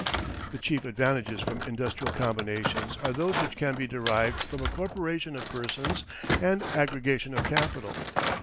The chief advantages from industrial combinations are those which can be derived from a coöperation of persons and aggregation of capital.